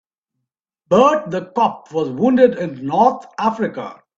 Bert the cop was wounded in North Africa.